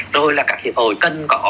rồi là các hiệp hội cần có